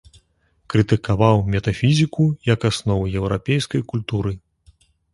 Крытыкаваў метафізіку як аснову еўрапейскай культуры.